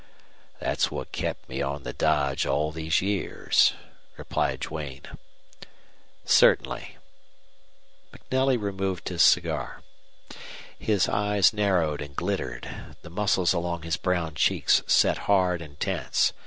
"That's what kept me on the dodge all these years," replied Duane. "Certainly." MacNelly removed his cigar. His eyes narrowed and glittered. The muscles along his brown cheeks set hard and tense.